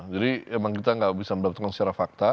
jadi memang kita enggak bisa melakukan secara fakta